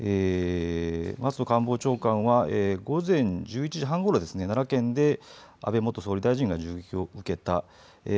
松野官房長官は午前１１時半ごろ奈良県で安倍元総理大臣が銃撃を受けた。